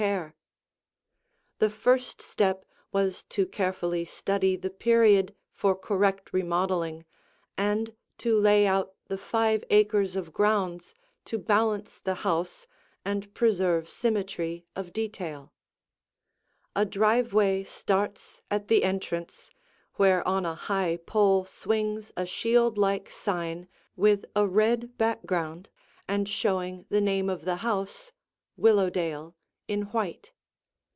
[Illustration: The Front View] The first step was to carefully study the period for correct remodeling and to lay out the five acres of grounds to balance the house and preserve symmetry of detail. A driveway starts at the entrance, where on a high pole swings a shield like sign with a red background and showing the name of the house, Willowdale, in white.